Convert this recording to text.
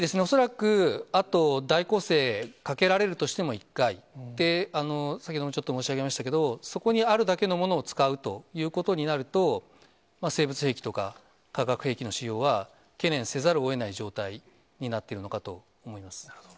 恐らくあと大攻勢かけられるとしても１回、先ほどもちょっと申し上げましたけれども、そこにあるだけのものを使うということになると、生物兵器とか、化学兵器の使用は懸念せざるをえない状態になっているのかと思い